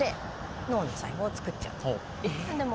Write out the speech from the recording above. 脳の細胞を作っちゃう。